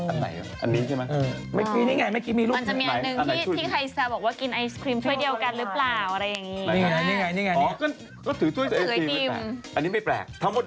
อันไหนอันนี้ใช่ไหม